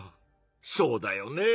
そうだよね。